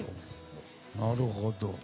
なるほど。